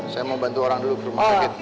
saya mau bantu orang dulu ke rumah sakit